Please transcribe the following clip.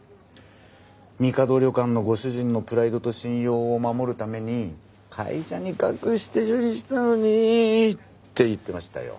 みかど旅館のご主人のプライドと信用を守るために会社に隠して処理したのに！って言ってましたよ。